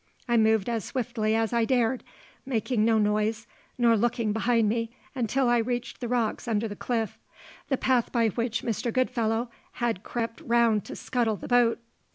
I moved as swiftly as I dared, making no noise, nor looked behind me until I reached the rocks under the cliff the path by which Mr. Goodfellow had crept round to scuttle the boat.